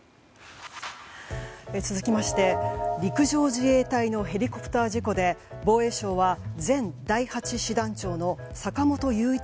続きまして陸上自衛隊のヘリコプター事故で防衛省は前第８師団長の坂本雄一